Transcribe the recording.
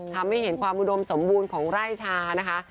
ทำให้เห็นความอุดมสมบูรณ์ของไร่ชานะคะ